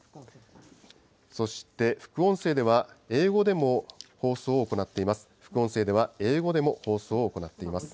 そして、副音声では、英語でも放送を行っています。